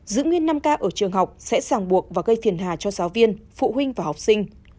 giữ nguyên năm k ở trường học sẽ sàng buộc và gây phiền hà cho giáo viên phụ huynh và học sinh